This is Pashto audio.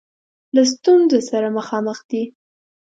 له ستونزه سره مخامخ دی.